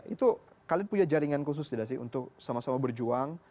itu kalian punya jaringan khusus tidak sih untuk sama sama berjuang